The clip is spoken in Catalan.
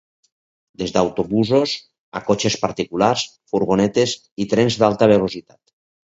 Des d’autobusos, a cotxes particulars, furgonetes i trens d’alta velocitat.